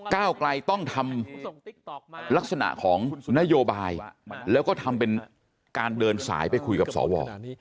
ก้าวไกลต้องทำลักษณะของนโยบายแล้วก็ทำเป็นการเดินสายไปคุยกับสว